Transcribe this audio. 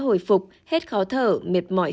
hồi phục hết khó thở miệt mỏi